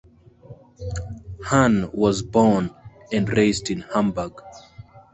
Hanne was born and raised in Hamburg.